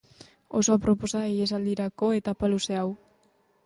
Oso aproposa ihesaldirako etapa luze hau.